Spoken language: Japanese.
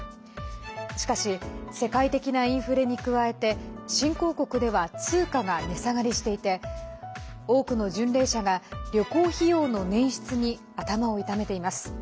しかし世界的なインフレに加えて新興国では通貨が値下がりしていて多くの巡礼者が旅行費用の捻出に頭を痛めています。